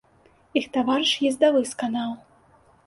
Іх таварыш ездавы сканаў.